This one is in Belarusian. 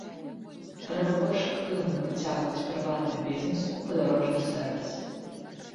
Трэба больш актыўна прыцягваць прыватны бізнэс у прыдарожны сервіс.